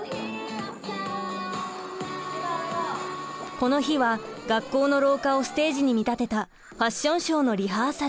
この日は学校の廊下をステージに見立てたファッションショーのリハーサル。